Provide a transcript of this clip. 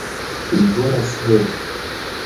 Li volas helpi.